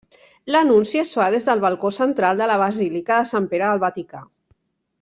L'anunci es fa des del balcó central de la Basílica de Sant Pere al Vaticà.